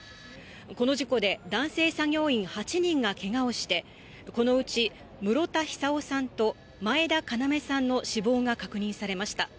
この事故で男性作業員８人がけがをして、このうち室田久生さんと前田要さんの死亡が確認されました。